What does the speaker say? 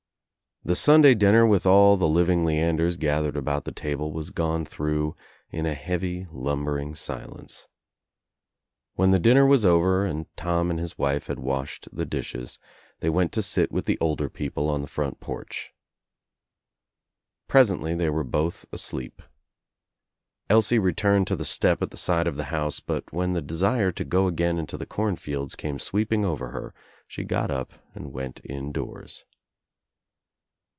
The Sunday dinner with all the living Leanders gath ered about the table was gone through in a heavy lum THE NEW ENGLANDER IS3 bering silence. When the dinner was over and Tom and his wife had washed the dishes they went to sit with the older people on the front porch. Presently they were both asleep. Elsie returned to the step at the side of the house but when the desire to go again into the cornfields came sweeping over her she got up and went indoors.